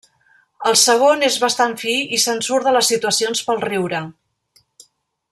El segon és bastant fi i se'n surt de les situacions pel riure.